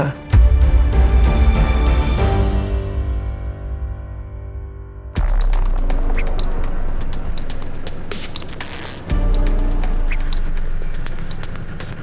aku harus gimana